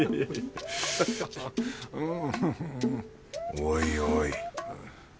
おいおい